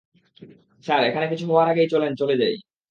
Sir, এখানে কিছু হওয়ার আগেই চলেন চলে যাই।